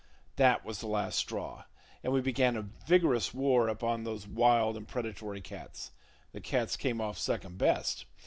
That was the last straw, and we began a vigorous war upon those wild and predatory cats. The cats came off second best.